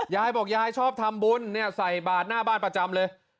ยายบอกยายชอบทำบุญใส่บาทหน้าบ้านประจำเลย